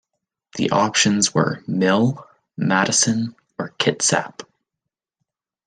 The options were "Mill", "Madison" or "Kitsap".